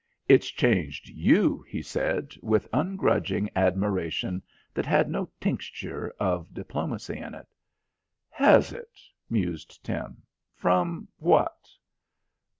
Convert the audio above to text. "It's changed you," he said with ungrudging admiration that had no tincture of diplomacy in it. "Has it?" mused Tim. "From what?"